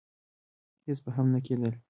هېڅ به هم نه کېدل.